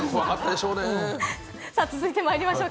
続いてまいりましょう。